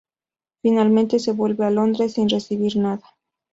Finalmente se vuelve a Londres sin recibir nada.